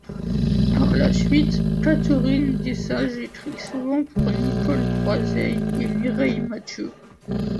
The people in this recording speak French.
Par la suite, Catherine Desage écrit souvent pour Nicole Croisille et Mireille Mathieu.